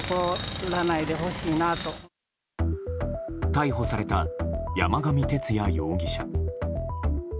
逮捕された山上徹也容疑者。